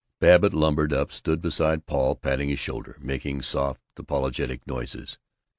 Babbitt lumbered up, stood beside Paul patting his shoulder, making soft apologetic noises.